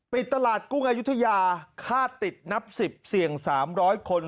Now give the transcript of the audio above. ปิดตลาดกุ้งอายุทยาคาดติดนับ๑๐เสี่ยง๓๐๐คน